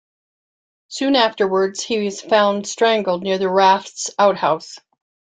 Soon afterwards he is found strangled near the raft's outhouse.